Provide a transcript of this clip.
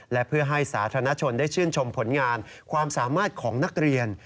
และเพื่อให้สาธารณชนได้ชื่นชมผลงานความสามารถของนักเรียน